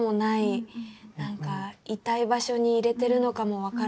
何かいたい場所にいれてるのかも分からない